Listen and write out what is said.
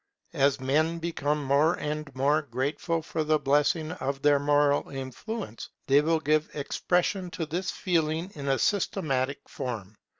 As men become more and more grateful for the blessing of their moral influence, they will give expression to this feeling in a systematic form.